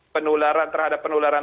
penularan terhadap penularan